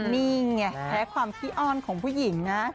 นี่ไงแพ้ความขี้อ้อนของผู้หญิงนะ